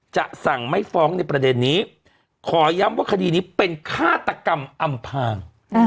สั่งไม่ฟ้องในประเด็นนี้ขอย้ำว่าคดีนี้เป็นฆาตกรรมอำพาง